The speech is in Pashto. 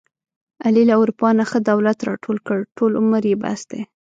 علي له اروپا نه ښه دولت راټول کړ، ټول عمر یې بس دی.